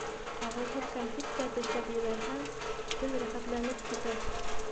Ҡағыҙһыҙ кәнфит тә тешләп ебәрһәң, тел рәхәтләнеп китә.